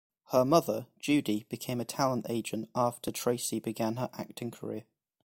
Her mother, Judy, became a talent agent after Tracie began her acting career.